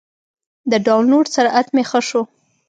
د ډاونلوډ سرعت مې ښه شو.